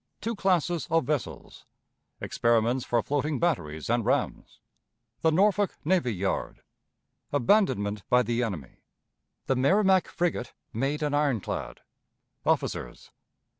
Two Classes of Vessels. Experiments for Floating Batteries and Rams. The Norfolk Navy Yard. Abandonment by the Enemy. The Merrimac Frigate made an Ironclad. Officers.